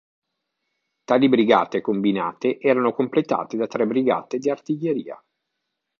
Tali brigate combinate erano completate da tre brigate di artiglieria.